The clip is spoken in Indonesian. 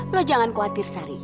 lo jangan khawatir sari